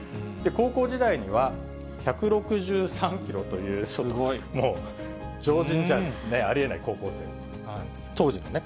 高校時代には、１６３キロという、もう常人じゃありえない高校生、当時の。